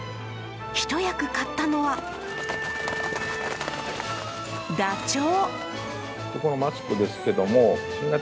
一役買ったのはダチョウ。